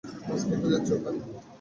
কাজ করতে যাচ্ছি ওখানে।